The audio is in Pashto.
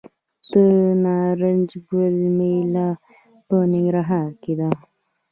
د نارنج ګل میله په ننګرهار کې ده.